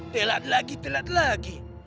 telat lagi telat lagi